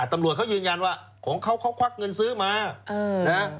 ตำรวจเขายืนยันว่าของเขาเขาควักเงินซื้อมานะ